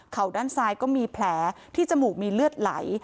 ด้านซ้ายก็มีแผลที่จมูกมีเลือดไหล